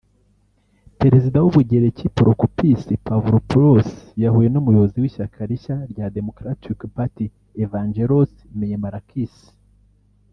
Perezida w’u Bugereki Prokopis Pavlopoulos yahuye n’umuyobozi w’ishyaka rishya rya Democratic Party Evangelos Meimarakis